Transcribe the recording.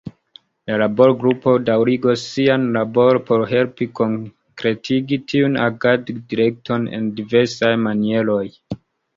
La laborgrupo daŭrigos sian laboron por helpi konkretigi tiun agaddirekton en diversaj manieroj.